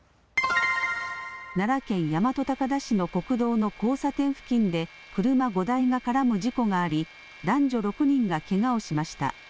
奈良県大和高田市の国道の交差点付近で車５台が絡む事故があり男女６人がけがをしました。